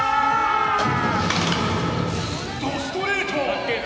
怒ストレート！